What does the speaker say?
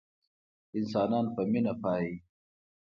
انسانان په مينه پايي